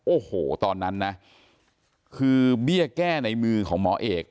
โอ้โหตอนนั้นนะคือเบี้ยแก้ในมือของหมอเอก